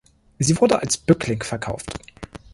Sie wurde als Bückling verkauft.